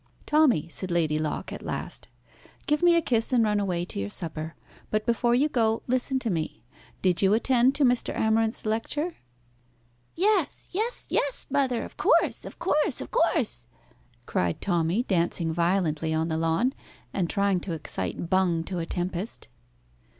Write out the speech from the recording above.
"Tommy," said Lady Locke at last, "give me a kiss and run away to your supper. But, before you go, listen to me. Did you attend to Mr. Amarinth's lecture?" "Yes, yes, yes, mother! Of course, of course, of course!" cried Tommy, dancing violently on the lawn, and trying to excite Bung to a tempest.